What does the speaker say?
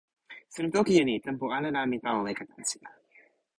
sina toki e ni: tenpo ala la mi tawa weka tan sina.